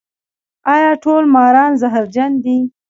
ایا ټول ماران زهرجن دي؟